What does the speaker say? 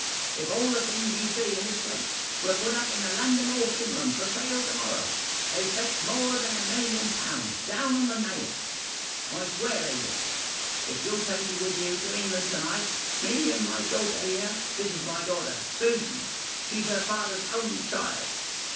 If all the things you see in this place were put up in a London auction room for sale to morrow, they'd fetch more than a million pounds — down on the nail ! I swear they would ! If you'll take me with you to England to night — me and my daughter here; this is my daughter, Susan. She's her father's only child."